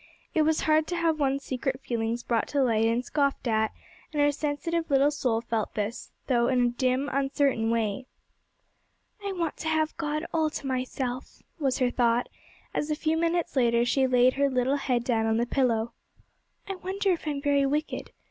It was hard to have one's secret feelings brought to light and scoffed at, and her sensitive little soul felt this, though in a dim, uncertain way. 'I want to have God all to myself,' was her thought, as a few minutes later she laid her little head down on the pillow; 'I wonder if I'm very wicked.